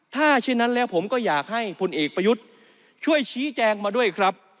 ถ้าเช่นนั้นแล้วผมก็อยากให้พลเอกประยุทธ์ช่วยชี้แจงมาด้วยครับ